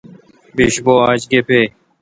بیش بو آج گپے°۔